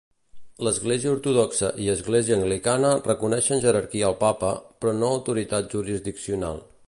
L'Església Ortodoxa i Església Anglicana reconeixen jerarquia al Papa, però no autoritat jurisdiccional.